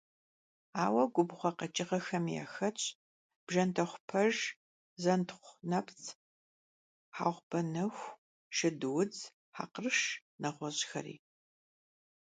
Ауэ губгъуэ къэкӀыгъэхэми яхэтщ бжэндэхъупэж, зэнтхъунэпцӀ, хьэгъубэнэху, шыдудз, хьэкъырш, нэгъуэщӀхэри.